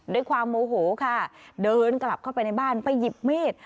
ด้วยความโมโหค่ะเดินกลับเข้าไปในบ้านไปหยิบมีด